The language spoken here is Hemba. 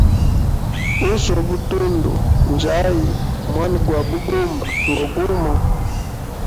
Uswa butundu njayi, mwana gwa bugumba ngo gumo.